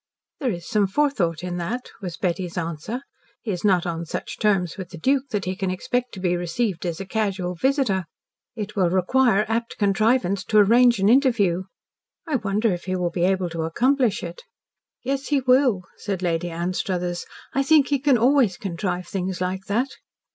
"There is some forethought in that," was Betty's answer. "He is not on such terms with the Duke that he can expect to be received as a casual visitor. It will require apt contrivance to arrange an interview. I wonder if he will be able to accomplish it?" "Yes, he will," said Lady Anstruthers. "I think he can always contrive things like that."